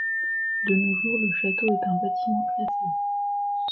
De nos jours, le château est un bâtiment classé.